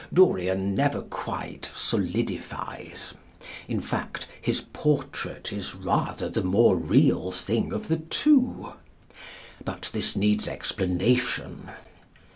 Dorian never quite solidifies. In fact, his portrait is rather the more real thing of the two. But this needs explanation.